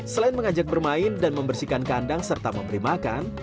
selain mengajak bermain dan membersihkan kandang serta memberi makan